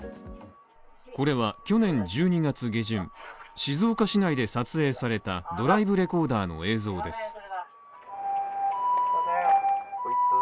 これは去年１２月下旬、静岡市内で撮影されたドライブレコーダーの映像です。